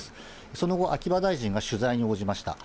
その後、秋葉大臣が取材に応じました。